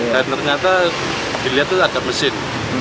dan ternyata dilihat ada mesin